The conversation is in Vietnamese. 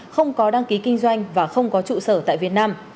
không có đăng ký kinh doanh và không có trụ sở tại việt nam